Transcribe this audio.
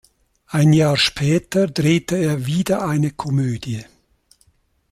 Ein Jahr später drehte er wieder eine Komödie.